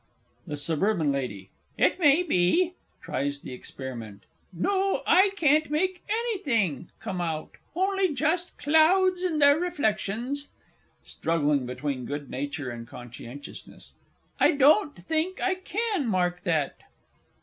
THE S. L. It may be. (Tries the experiment.) No, I can't make anything come out only just clouds and their reflections. (Struggling between good nature and conscientiousness.) I don't think I can mark that.